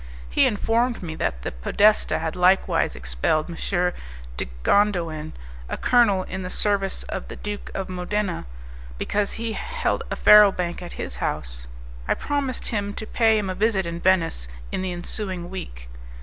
He informed me that the podesta had likewise expelled M. de Gondoin, a colonel in the service of the Duke of Modena, because he held a faro bank at his house. I promised him to pay him a visit in Venice in the ensuing week.